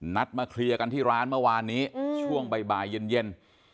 นัดมาเคลียร์กันที่ร้านเมื่อวานนี้ช่วงบ่ายเย็น